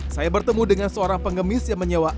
saya bertemu dengan seorang pengemis yang menyewa